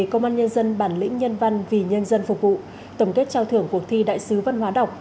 công an nhân dân bản lĩnh nhân văn vì nhân dân phục vụ tổng kết trao thưởng cuộc thi đại sứ văn hóa đọc